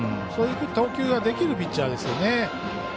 そういう投球ができるピッチャーですよね。